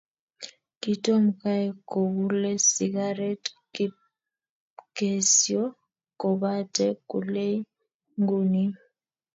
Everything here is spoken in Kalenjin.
Kitom kai kogule sigaret Kipkesio, kobate kulei ngunim